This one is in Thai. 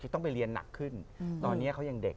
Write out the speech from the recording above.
ต้องไปเรียนหนักขึ้นตอนนี้เขายังเด็ก